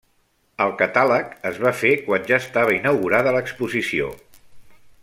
El catàleg es va fer quan ja estava inaugurada l'exposició.